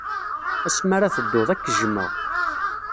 Asmi ara tedduḍ, ad k-jjmeɣ.